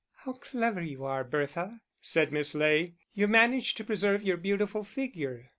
"How clever you are, Bertha," said Miss Ley; "you manage to preserve your beautiful figure."